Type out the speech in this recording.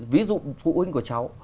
ví dụ phụ huynh của cháu